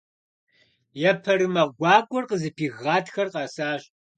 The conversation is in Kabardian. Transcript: Епэрымэ гуакӀуэр къызыпих Гъатхэр къэсащ.